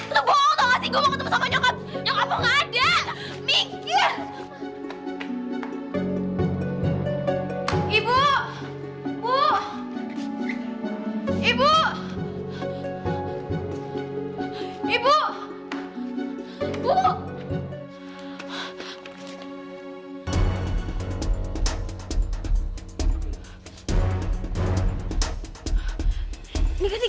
lo bohong tau gak sih